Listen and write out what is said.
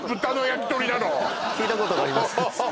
聞いたことがあります